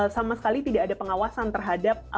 sama sekali tidak ada pengawasan terhadap